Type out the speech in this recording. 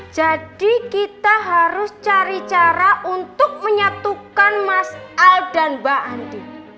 jadi kita harus cari cara untuk menyatukan mas al dan mbak andin